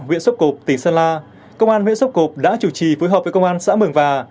huyện sốp cộp tỉnh sơn la công an huyện sốp cộp đã chủ trì phối hợp với công an xã mường và